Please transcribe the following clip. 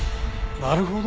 なるほど！